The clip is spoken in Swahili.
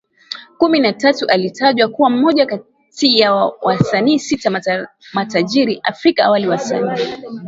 kumi na tatu alitajwa kuwa mmoja kati ya wasanii sita matajiri Afrika Awali wasanii